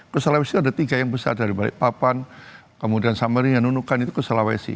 ke sulawesi ada tiga yang besar dari balikpapan kemudian samarinda nunukan itu ke sulawesi